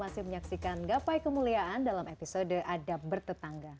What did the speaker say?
masih menyaksikan gapai kemuliaan dalam episode adam bertetangga